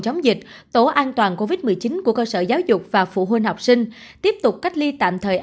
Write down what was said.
chống dịch tổ an toàn covid một mươi chín của cơ sở giáo dục và phụ huynh học sinh tiếp tục cách ly tạm thời ở